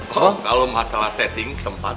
oh kalau masalah setting sempat ya